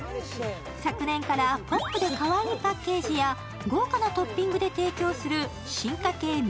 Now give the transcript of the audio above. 昨年からポップでかわいいパッケージや豪華なトッピングで提供する進化系麺線